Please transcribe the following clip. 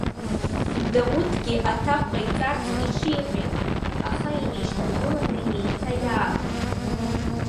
Дауҭгьы аҭак ҟаиҵарц иҽиҟьеит, аха инеишьҭаргыланы иеиҭа иаахон.